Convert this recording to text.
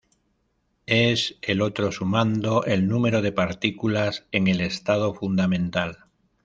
Es el otro sumando, el número de partículas en el estado fundamental.